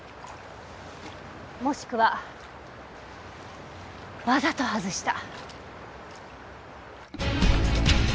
もしくはわざと外した。